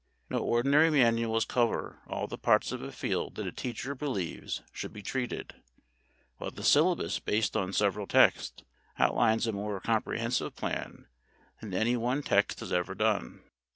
No ordinary manuals cover all the parts of a field that a teacher believes should be treated; while the syllabus based on several texts, outlines a more comprehensive plan than any one text has ever done.